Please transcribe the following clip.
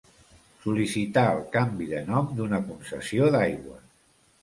Sol·licitar el canvi de nom d'una concessió d'aigües.